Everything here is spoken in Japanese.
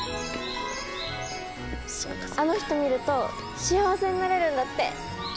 あの人見ると幸せになれるんだって。